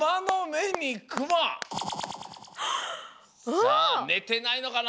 さあねてないのかな？